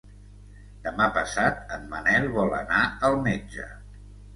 Demà passat en Manel vol anar al metge.